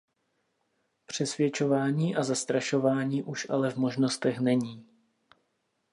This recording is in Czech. Přesvědčování a zastrašování už ale v možnostech není.